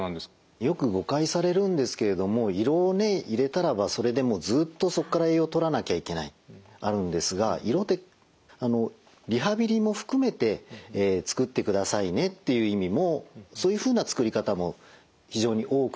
よく誤解されるんですけれども胃ろうを入れたらばそれでもうずっとそこから栄養をとらなきゃいけないあるんですが胃ろうってリハビリも含めて作ってくださいねっていう意味もそういうふうな作り方も非常に多くてですね